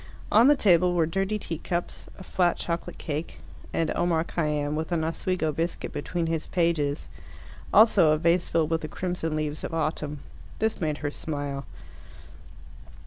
On the table were dirty teacups, a flat chocolate cake, and Omar Khayyam, with an Oswego biscuit between his pages. Also a vase filled with the crimson leaves of autumn. This made her smile.